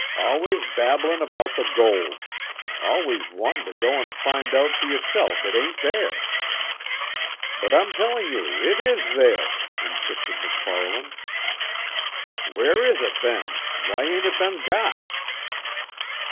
"Always babblin' about the gold. Always wantin' to go an' find out for ye'reself it ain't there." "But I'm tellin' you it is there," insisted MacFarlane. "Where is it, then? Why ain't it be'n got?"